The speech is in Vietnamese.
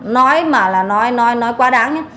nói mà là nói nói nói quá đáng nhé